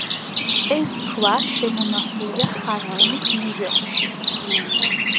ეს ქვა შემონახულია ხართუმის მუზეუმში.